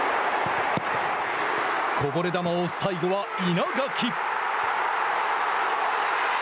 こぼれ球を最後は稲垣。